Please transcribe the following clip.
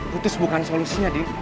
putus bukan solusinya dien